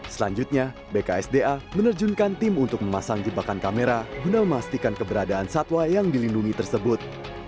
selanjutnya bksda menerjunkan tim untuk memasang jebakan kamera guna memastikan keberadaan satwa yang dilindungi tersebut